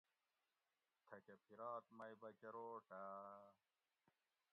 تھکہ پِھرات مئی بکۤروٹاۤ